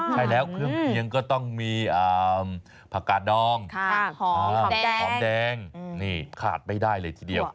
ใช่แล้วเครื่องเคียงก็ต้องมีผักกาดองหอมแดงนี่ขาดไม่ได้เลยทีเดียว